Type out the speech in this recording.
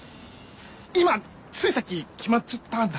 今ついさっき決まっちゃったんだ